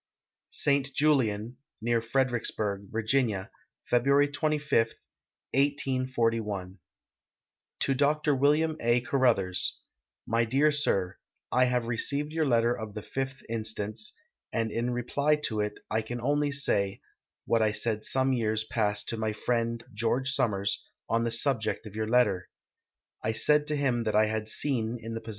"St. JfLiEN' (near Fredericksburg), Va., Pehi uary 25, 1841 " To Dr Tf w. .1. Caruthers. "My Dear Sir: I have received your letter of the 5th inst., and in reply to it I can only say, what I said some years past to my friend, George Summers, on the subject of }'Our letter. I said to him that I had seen, in the j)Osse.